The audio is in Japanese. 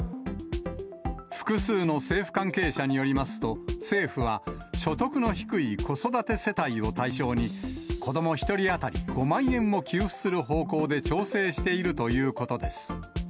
複数の政府関係者によりますと、政府は、所得の低い子育て世帯を対象に、子ども１人当たり５万円を給付する方向で調整しているということです。